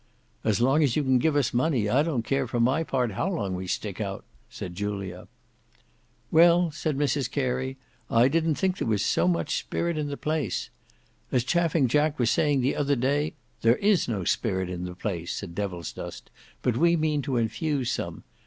"As long as you can give us money, I don't care, for my part, how long we stick out," said Julia. "Well," said Mrs Carey, "I didn't think there was so much spirit in the place. As Chaffing Jack was saying the other day—" "There is no spirit in the place," said Devilsdust, "but we mean to infuse some.